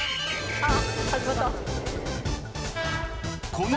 あっ！